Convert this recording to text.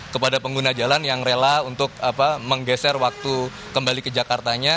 kepada pengguna jalan yang rela untuk menggeser waktu kembali ke jakartanya